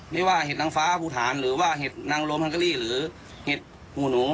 ไม่ว่าเห็ดนางฟ้าภูฐานหรือว่าเห็ดนางลมฮังเกอรี่หรือเห็ดหูหนู